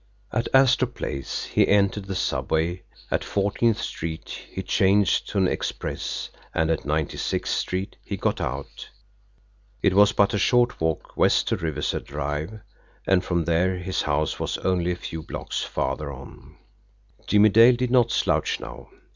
At Astor Place he entered the subway; at Fourteenth Street he changed to an express, and at Ninety sixth Street he got out. It was but a short walk west to Riverside Drive, and from there his house was only a few blocks farther on. Jimmie Dale did not slouch now.